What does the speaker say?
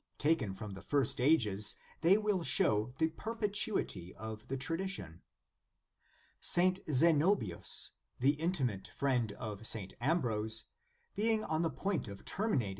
Taken from the first ages, they will show the perpetuity of the tradition. St. Zenobius, the intimate friend of St. Ambrose, being on the point of terminating * Ilclgald.